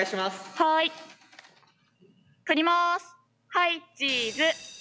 はいチーズ。